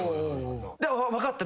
だから「分かった。